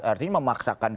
artinya memaksakan kehadiran